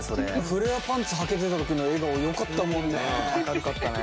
フレアパンツはけてたときの笑顔明るかったね。